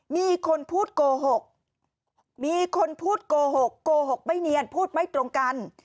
มีคนพูดโกหกโกหกไม่เนียนพูดไม่ตรงกัน